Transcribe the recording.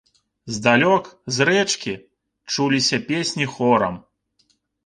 Здалёк, з рэчкі, чуліся песні хорам.